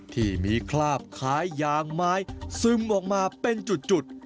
ที่มีคราบคล้ายยางไม้ซึมออกมาเป็นจุด